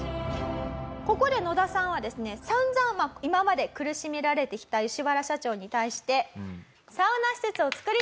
ここでノダさんはですね散々今まで苦しめられてきたヨシワラ社長に対して。